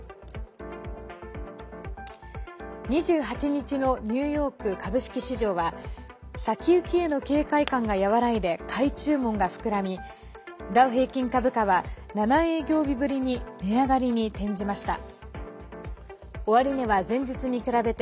２８日のニューヨーク株式市場は先行きへの警戒感が和らいで買い注文が膨らみダウ平均株価は７営業日ぶりに値上がりに転じました。